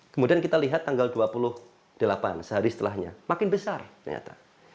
kemudian kita lihat tanggal dua puluh delapan sehari setelahnya makin besar ternyata